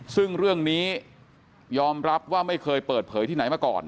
ซึ่งเรื่องนี้ยอมรับว่าไม่เคยเปิดเผยที่ไหนมาก่อน